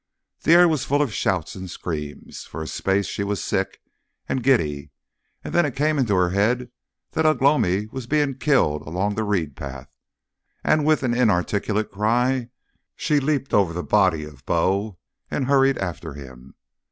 The air was full of shouts and screams. For a space she was sick and giddy, and then it came into her head that Ugh lomi was being killed along the reed path, and with an inarticulate cry she leapt over the body of Bo and hurried after him.